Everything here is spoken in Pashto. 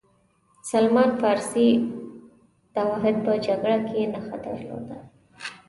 سلمان فارسي داوحد په جګړه کې نښه درلوده.